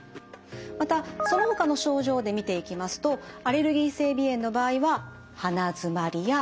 またそのほかの症状で見ていきますとアレルギー性鼻炎の場合は鼻づまりやくしゃみ。